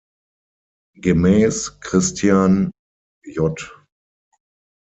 Gemäß Christian-J.